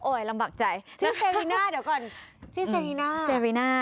โอ๊ยลำบากใจนะครับเดี๋ยวก่อนชื่อเซริน่าเซริน่า